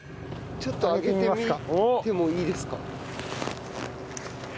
ちょっと上げてみてもいいですか？